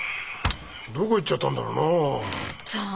どこ行っちゃったんだろうな？さあ？